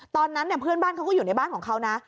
ตอนนั้นเพื่อนบ้านเขาก็อยู่ในบ้านของเขานะ